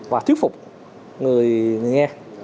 và thuyết phục người nghe